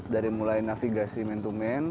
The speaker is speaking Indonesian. dari mulai navigasi main to main